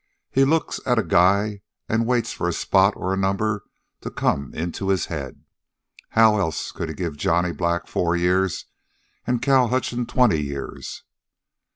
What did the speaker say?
He looks at a guy an' waits for a spot or a number to come into his head. How else could he give Johnny Black four years an' Cal Hutchins twenty years?